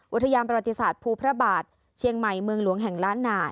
อุทยานประวัติศาสตร์ภูพระบาทเชียงใหม่เมืองหลวงแห่งล้านนา